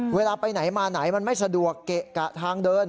เวลาไปไหนมาไหนมันไม่สะดวกเกะกะทางเดิน